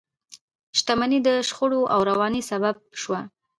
شتمنۍ د شخړو او ورانۍ سبب شوه.